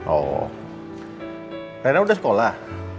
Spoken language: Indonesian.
oh reina udah sekolah